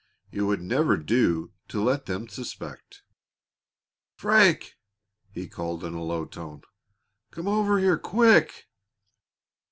It would never do to let them suspect. "Frank!" he called in a low tone. "Come over here quick!"